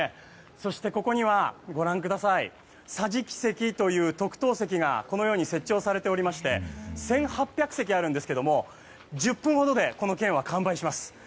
そしてここには桟敷席という特等席が設置されておりまして１８００席あるんですけど１０分ほどでこの券は完売します。